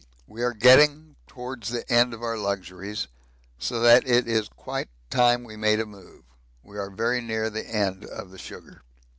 We are getting towards the end of our luxuries, so that it is quite time we made a move we are very near the end of the sugar.